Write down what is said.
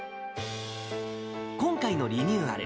今回のリニューアル。